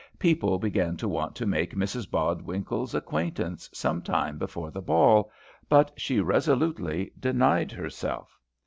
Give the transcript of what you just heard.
People began to want to make Mrs Bodwinkle's acquaintance some time before the ball, but she resolutely denied herself.